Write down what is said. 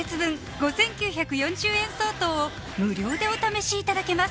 ５９４０円相当を無料でお試しいただけます